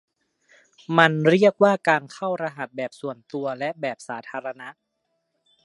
มันเรียกว่าการเข้ารหัสแบบส่วนตัวและแบบสาธารณะ